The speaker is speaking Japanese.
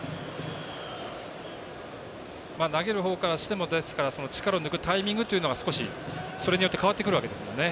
投げる方からしても力を抜くタイミングというのがそれによって変わってくるわけですもんね。